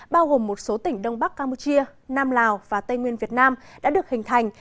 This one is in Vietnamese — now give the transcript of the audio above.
bao gồm một số tỉnh đông bắc campuchia nam lào và tây nguyên việt nam đã được hình thành